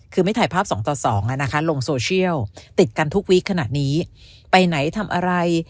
คือไม่ถ่ายภาพ๒ต่อ๒ลงโซเชียลติดกันทุกวีคขนาดนี้ไปไหนทำอะไร